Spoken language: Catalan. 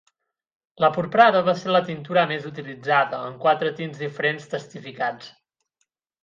La porprada va ser la tintura més utilitzada, en quatre tints diferents testificats.